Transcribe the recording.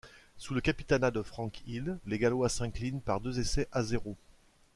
Sous le capitanat de Frank Hill, les Gallois s'inclinent par deux essais à zéro.